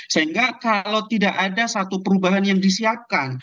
sehingga kalau tidak ada satu perubahan yang disiapkan